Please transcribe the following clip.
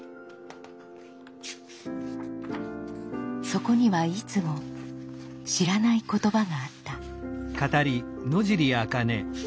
そこにはいつも知らない言葉があった。